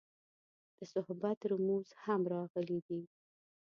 د صحبت رموز هم راغلي دي.